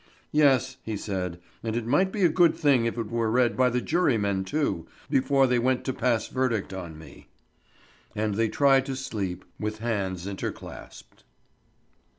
"Yes," he said; "and it might be a good thing if it were read by the jurymen, too, before they went to pass verdict on me." And they tried to sleep, with hands interclasped.